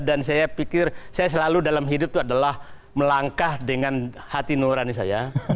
dan saya pikir saya selalu dalam hidup itu adalah melangkah dengan hati nurani saya